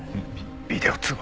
ビデオ通話？